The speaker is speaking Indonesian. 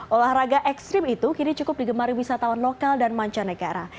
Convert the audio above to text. olahraga ekstrim itu kini cukup digemari wisatawan lokal dan mancanegara